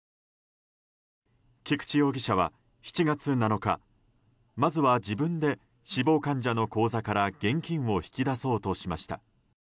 菊池容疑者は７月７日、まずは自分で死亡患者の口座から現金を引き出そうとしました。